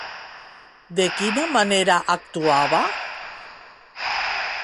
De quina manera actuava?